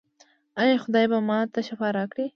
ایا خدای به ما ته شفا راکړي؟